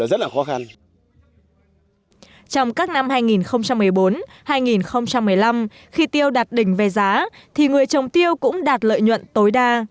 trong các năm hai nghìn một mươi bốn hai nghìn một mươi năm khi tiêu đạt đỉnh về giá thì người trồng tiêu cũng đạt lợi nhuận tối đa